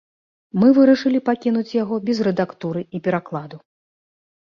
Мы вырашылі пакінуць яго без рэдактуры і перакладу.